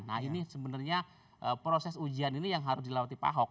nah ini sebenarnya proses ujian ini yang harus dilawati pak ahok